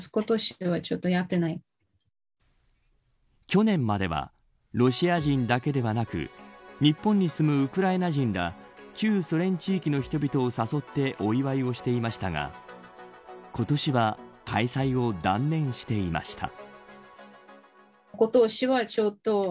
去年まではロシア人だけではなく日本に住むウクライナ人ら旧ソ連地域の人々を誘ってお祝いをしていましたが今年は開催を断念していました。